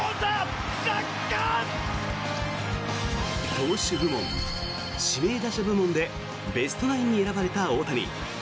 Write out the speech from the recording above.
投手部門、指名打者部門でベストナインに選ばれた大谷。